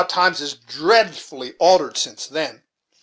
times is dreadfully altered since then.